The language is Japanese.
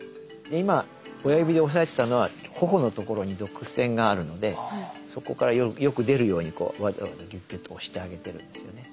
今親指で押さえてたのは頬のところに毒腺があるのでそこからよく出るようにわざわざギュッギュッと押してあげてるんですよね。